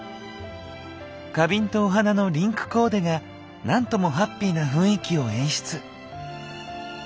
花瓶とお花のリンクコーデがなんともハッピーな雰囲気を演出。